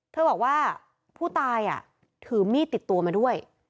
เธอบอกว่าผู้ตายถือมีดติดตัวมาด้วย